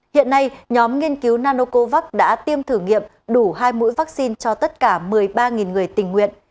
hiện nay nhóm nghiên cứu nanocovax đã tiêm thử nghiệm đủ hai mũi vaccine cho tất cả một mươi ba người tình nguyện